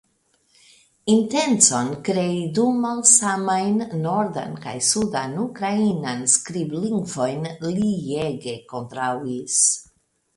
Intencon krei du malsamajn (nordan kaj sudan) ukrainan skriblingvojn li ege kontraŭis.